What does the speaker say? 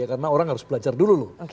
karena orang harus belajar dulu